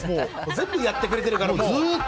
全部やってくれてるからもう。